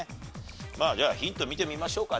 まあではヒント見てみましょうかね。